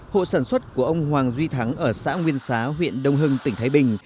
hộ sản xuất của ông hoàng duy thắng ở xã nguyên xá huyện đông hưng tỉnh thái bình